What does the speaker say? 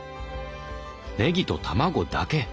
ねぎと卵だけ！